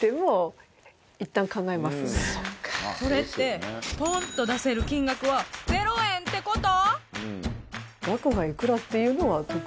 それってポンと出せる金額はゼロ円ってこと？